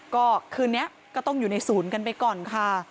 ก็คืนนี้ก็ต้องอยู่ในศูนย์กันไปก่อนค่ะ